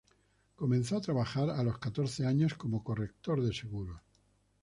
Comenzó a trabajar a los catorce años como corrector de seguros.